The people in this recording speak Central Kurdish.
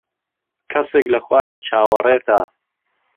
کەسێک لە خوارێ چاوەڕێتە.